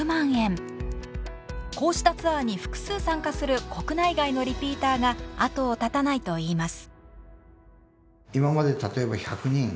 こうしたツアーに複数参加する国内外のリピーターが後を絶たないといいます。